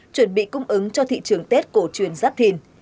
chuẩn bị cung ứng cho thị trường tết cổ truyền giáp thìn